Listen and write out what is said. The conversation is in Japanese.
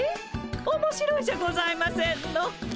おもしろいじゃございませんの。